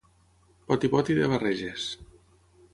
Poti-poti de barreges